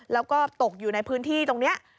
แล้วก็ตกอยู่ในพื้นที่ตรงนี้